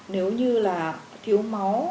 nếu như là thiếu máu